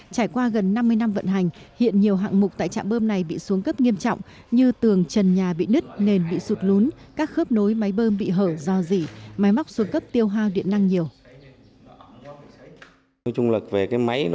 trải qua gần năm mươi năm vận hành hiện nhiều hạng mục tại trạm bơm này bị xuống cấp nghiêm trọng như tường trần nhà bị nứt nền bị sụt lún các khớp nối máy bơm bị hở do dị máy móc xuống cấp tiêu hao điện năng nhiều